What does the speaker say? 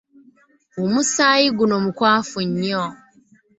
Omusaayi guno mukwafu nnyo.